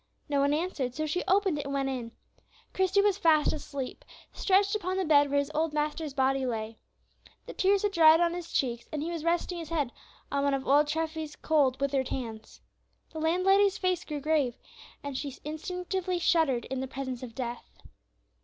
No one answered, so she opened it and went in. Christie was fast asleep, stretched upon the bed where his old master's body lay. The tears had dried on his cheeks, and he was resting his head on one of old Treffy's cold, withered hands. The landlady's face grew grave, and she instinctively shuddered in the presence of death.